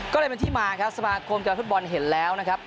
ก็เลยเป็นที่มาครับสมาคมกีฬาฟุตบอลเห็นแล้วนะครับ